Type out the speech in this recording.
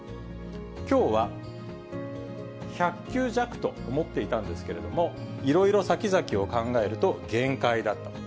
きょうは１００球弱と思っていたんですけれども、いろいろ先々を考えると、限界だった。